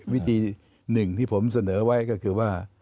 วิธีหนึ่งที่ผมเสนอไว้ก็คือว่า